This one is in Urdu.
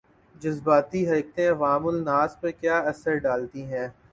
جذباتی حرکتیں عوام الناس پر کیا اثرڈالتی ہیں